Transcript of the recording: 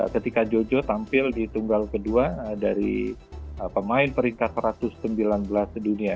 ketika jojo tampil di tunggal kedua dari pemain peringkat satu ratus sembilan belas dunia